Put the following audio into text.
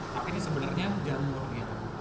tapi ini sebenarnya jamurnya